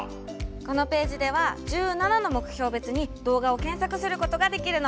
このページでは１７の目標別に動画を検索することができるの！